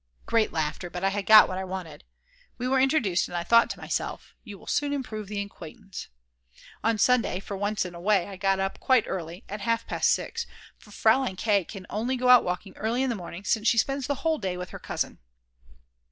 Great laughter, but I had got what I wanted. We were introduced, and I thought to myself: You will soon improve the acquaintance. On Sunday for once in a way I got up quite early, at half past 6, for Fraulein K. can only go out walking early in the morning since she spends the whole day with her cousin.